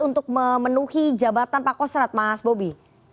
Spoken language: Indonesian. untuk memenuhi jabatan pak kostrat mas bobi